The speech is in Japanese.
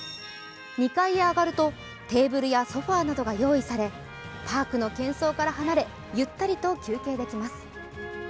２階へ上がるとテーブルやソファーなどが用意されパークのけん騒から離れゆったりと休憩できます。